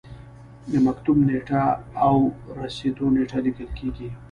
د مکتوب نیټه او رسیدو نیټه لیکل کیږي.